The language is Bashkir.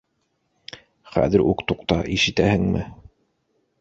Хәҙер үк туҡта, ишетәһеңме?